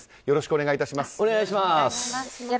よろしくお願いします。